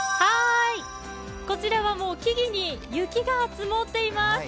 こちらはもう木々に雪が積もっています。